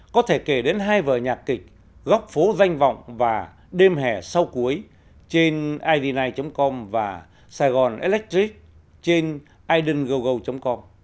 với vợ nhạc kịch góc phố danh vọng và đêm hẻ sau cuối trên id chín com và sài gòn electric trên idngogo com